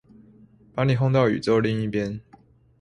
把你轟到宇宙另一邊